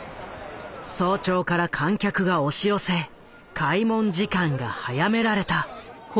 早朝から観客が押し寄せ開門時間が早められた。